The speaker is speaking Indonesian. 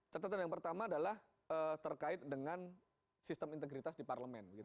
catatan yang pertama adalah terkait dengan sistem integritas di parlemen